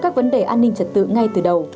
các vấn đề an ninh trật tự ngay từ đầu